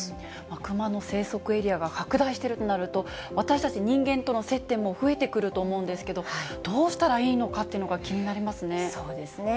クマの生息エリアが拡大してるとなると、私たち人間との接点も増えてくると思うんですけど、どうしたらいいのかっていうのがそうですね。